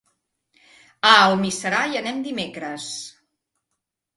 A Almiserà hi anem dimecres.